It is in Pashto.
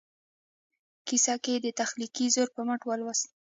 کیسه یې د تخلیقي زور په مټ ولوسته.